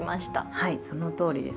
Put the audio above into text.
はいそのとおりです。